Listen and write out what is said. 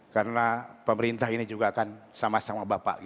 karena pemerintah ini juga akan sama sama bapak